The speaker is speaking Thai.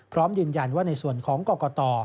พร้อมยืนยันว่าในส่วนของกรกต